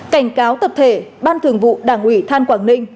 cảnh cáo tập thể ban thường vụ đảng ủy than quảng ninh